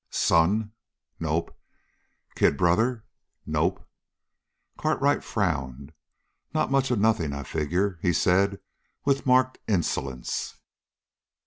"Son?" "Nope." "Kid brother?" "Nope." Cartwright frowned. "Not much of nothing, I figure," he said with marked insolence.